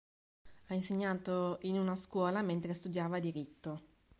Ha insegnato in una scuola mentre studiava diritto.